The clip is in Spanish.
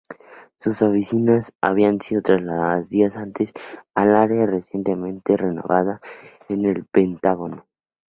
Sus oficinas habían sido trasladadas días antes al área recientemente renovada de El Pentágono.